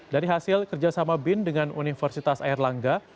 dari hasil kerjasama bin dengan universitas airlangga